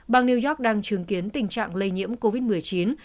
bang new york đang chứng kiến tình trạng lây nhiễm covid một mươi chín